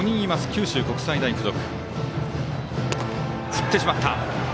九州国際大付属。